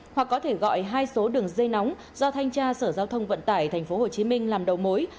hoặc có thể gọi hai số đường dây nóng do thanh tra sở giao thông vận tải tp hcm làm đầu mối